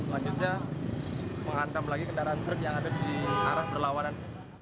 lalu kemudian diangkat ke arah berlawanan